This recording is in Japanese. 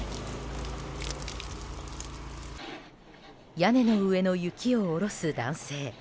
屋根の上の雪を下ろす男性。